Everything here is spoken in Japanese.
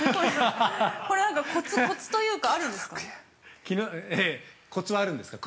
◆これ、なんかコツというかあるんですか？